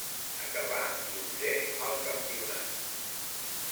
Acabà dotzè al campionat.